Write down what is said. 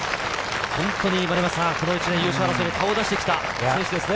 この一年、優勝争いに顔を出してきた選手ですね。